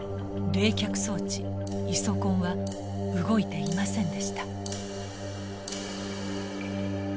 冷却装置イソコンは動いていませんでした。